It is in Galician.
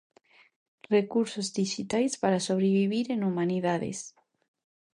Recursos dixitais para sobrevivir en Humanidades.